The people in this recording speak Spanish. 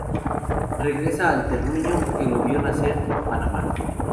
Regresa al terruño que lo vio nacer, Panamá.